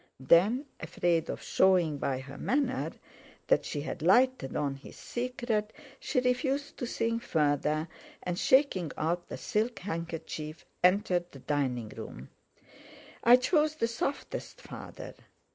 Then, afraid of showing by her manner that she had lighted on his secret, she refused to think further, and, shaking out the silk handkerchief, entered the dining room. "I chose the softest, Father."